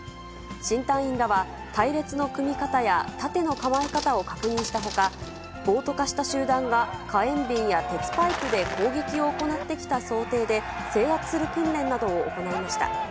新隊員らは、隊列の組み方や盾の構え方を確認したほか、暴徒化した集団が火炎瓶や鉄パイプで攻撃を行ってきた想定で、制圧する訓練などを行いました。